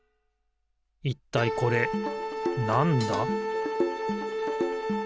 いったいこれなんだ？